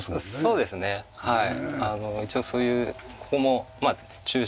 そうですねはい。